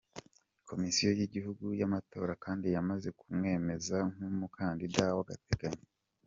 Komisiyo y’Igihugu y’Amatora kandi yamaze kumwemeza nk’umukandida w’agateganyo.